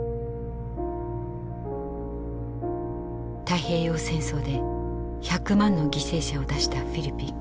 太平洋戦争で１００万の犠牲者を出したフィリピン。